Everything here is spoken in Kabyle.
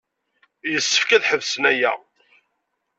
Yessefk ad ḥebsen aya.